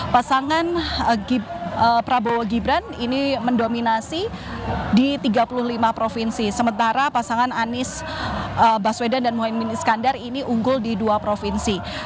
pasangan prabowo gibran ini mendominasi di tiga puluh lima provinsi sementara pasangan anies baswedan dan muhaymin iskandar ini unggul di dua provinsi